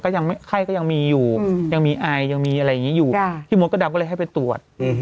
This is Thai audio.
ไข้ก็ยังมีอยู่ยังมีไอยังมีอะไรอย่างนี้อยู่พี่มดก็ดำก็เลยให้ไปตรวจ